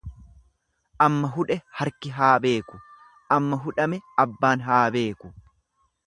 Amma hudhe harki haa beeku, amma hudhame abbaan haa beeku.